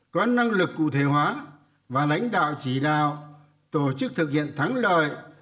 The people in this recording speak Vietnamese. có năng lực cụ thể hóa và lãnh đạo chỉ đạo tổ chức thực hiện thắng lợi